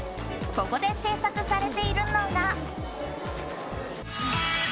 ここで制作されているのが。